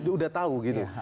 sudah tahu gitu